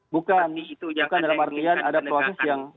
bukan dalam artian ada proses yang